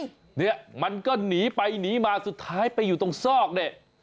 เนี่ยมันก็หนีไปหนีมาสุดท้ายไปอยู่ตรงซอกเนี่ย